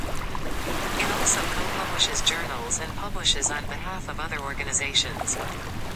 It also co-publishes journals and publishes on behalf of other organisations.